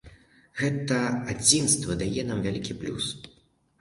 Гэта адзінства дае нам вялікі плюс.